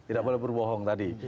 tidak boleh berbohong tadi